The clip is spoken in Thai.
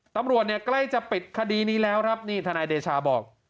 ตำรวจเนี่ยใกล้จะปิดคดีนี้แล้วครับนี่ทนายเดชาบอก